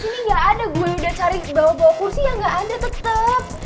ini gak ada gue udah cari bawah bawah kursi yang gak ada tetep